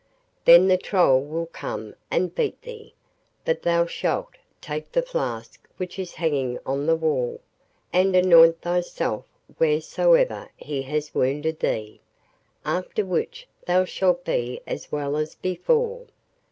Then the Troll will come and beat thee, but thou shalt take the flask which is hanging on the wall, and anoint thyself wheresoever he has wounded thee, after which thou shalt be as well as before.